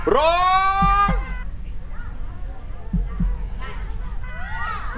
ร้อง